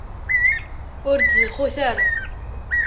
Ur ttzuxxut ara.